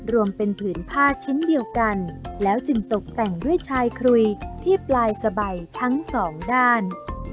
รวมเป็นผืนผ้าชิ้นเดียวกันแล้วจึงตกแต่งด้วยชายครุยที่ปลายกระใบทั้งสองด้าน